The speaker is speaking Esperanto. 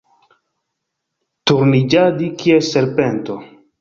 Turniĝadi kiel serpento.